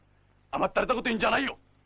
甘ったれたこと言うんじゃないよ。